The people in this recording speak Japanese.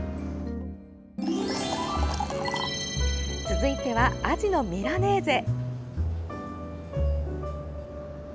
続いてはアジのミラネーゼ。